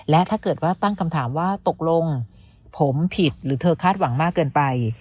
และถ้าเกิดว่าตั้งคำถามว่าตกลงผมผิดหรือเธอคาดหวังมากเกินไป